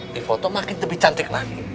di foto makin lebih cantik lagi